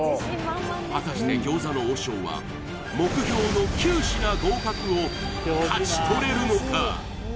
果たして餃子の王将は目標の９品合格を勝ち取れるのか？